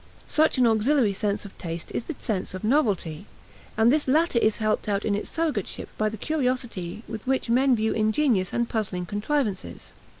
Such an auxiliary sense of taste is the sense of novelty; and this latter is helped out in its surrogateship by the curiosity with which men view ingenious and puzzling contrivances.